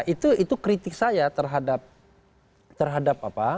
iya itu kritik saya terhadap terhadap apa